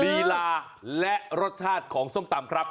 ลีลาและรสชาติของส้มตำครับ